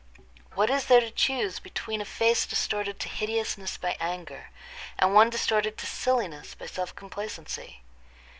What is there to choose between a face distorted to hideousness by anger, and one distorted to silliness by self complacency?